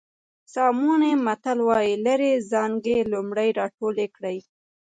ساموني متل وایي لرې څانګې لومړی راټولې کړئ.